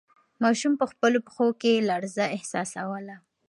ماشوم په خپلو پښو کې لړزه احساسوله.